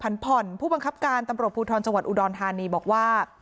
ผันผ่อนผู้บังคับการตำรวจภูทรจังหวันอุดอนธารณีธรรมดิบอกว่า